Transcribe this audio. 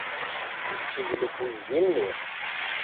Yesseglef uydi-nni.